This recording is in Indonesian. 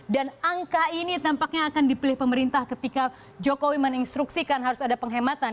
dan angka ini tampaknya akan dipilih pemerintah ketika jokowi meninstruksikan harus ada penghematan